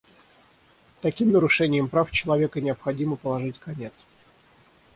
Таким нарушениям прав человека необходимо положить конец.